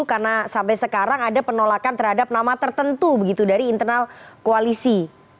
karena sampai sekarang ada penolakan terhadap nama tertentu begitu dari internal koalisi